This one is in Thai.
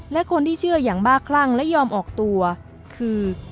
และคนที่เชื่ออย่างบ้าคลั่งและยอมออกตัวคือ